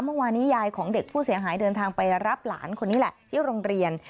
เมื่อวานนี้ยายของเด็กผู้เสียหายเดินทางไปรับหลานคนนี้แหละที่โรงเรียน